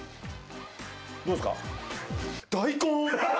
どうですか？